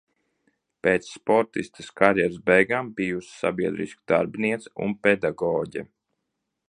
Pēc sportistes karjeras beigām bijusi sabiedriskā darbiniece un pedagoģe.